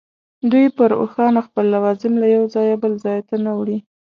دوی پر اوښانو خپل لوازم له یوه ځایه بل ته نه وړي.